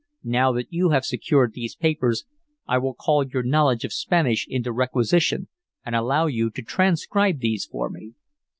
Now that you have secured these papers I will call your knowledge of Spanish into requisition and allow you to transcribe these for me."